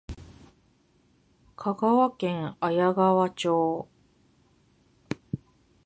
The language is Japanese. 香川県綾川町